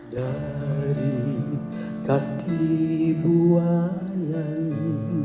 dari kaki buah yang